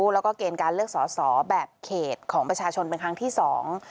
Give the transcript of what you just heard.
แล้วก็เกณฑ์การเลือกสอสอแบบเขตของประชาชนเป็นครั้งที่สอง